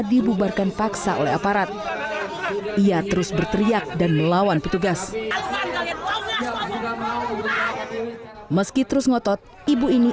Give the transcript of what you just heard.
dibubarkan paksa oleh aparat ia terus berteriak dan melawan petugas meski terus ngotot ibu ini